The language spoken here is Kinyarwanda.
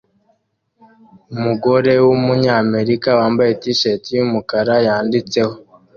Umugore wumunyamerika wambaye t-shati yumukara yanditseho